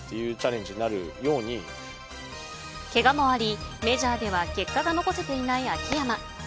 けがもあり、メジャーでは結果が残せていない秋山。